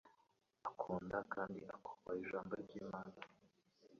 ukunda kandi akubaha Ijambo ry'Imana.